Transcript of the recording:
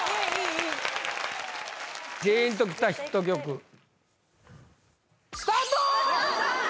いいジーンときたヒット曲スタート！